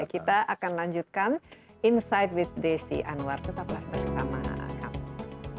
kita akan lanjutkan insight with desi anwar tetaplah bersama kami